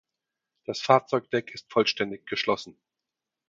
Das Fahrzeugdeck ist vollständig geschlossen.